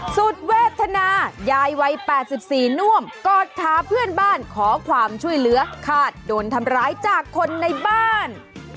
สุดเวทนายายวัย๘๔น่วมกอดท้าเพื่อนบ้านขอความช่วยเหลือคาดโดนทำร้ายจากคนในบ้าน